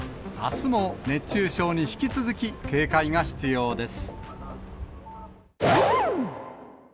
あすも熱中症に引き続き警戒が必要です。